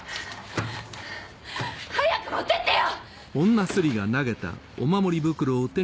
早く持ってってよ！